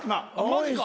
マジか。